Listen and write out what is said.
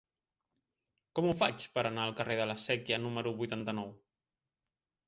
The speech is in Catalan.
Com ho faig per anar al carrer de la Sèquia número vuitanta-nou?